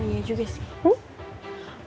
iya juga sih